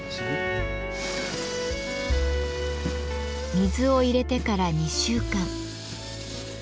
水を入れてから２週間。